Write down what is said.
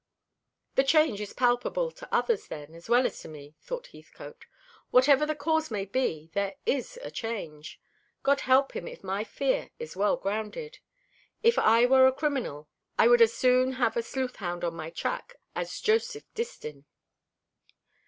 "The change is palpable to others, then, as well as to me," thought Heathcote. "Whatever the cause may be, there is a change. God help him if my fear is well grounded! If I were a criminal, I would as soon have a sleuthhound on my track as Joseph Distin."